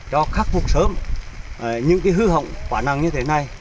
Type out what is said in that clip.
cho khắc phục sớm những cái hư hỏng quả năng như thế này